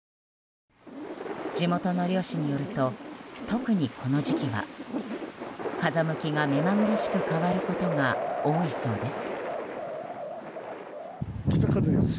地元の漁師によると特にこの時期は風向きが目まぐるしく変わることが多いそうです。